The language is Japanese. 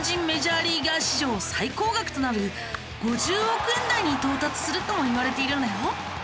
メジャーリーガー史上最高額となる５０億円台に到達するともいわれているんだよ。